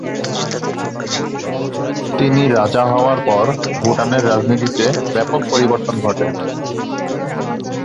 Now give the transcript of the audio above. তিনি রাজা হওয়ার পর ভুটানের রাজনীতিতে ব্যাপক বিবর্তন ঘটে।